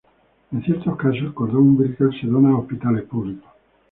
En ciertos casos el cordón umbilical se dona a hospitales públicos.